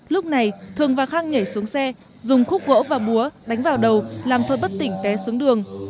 lúc này thường và khang nhảy xuống xe dùng khúc gỗ và búa đánh vào đầu làm thôi bất tỉnh té xuống đường